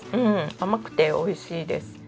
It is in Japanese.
甘くて美味しいです。